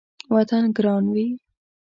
وطن ګران وي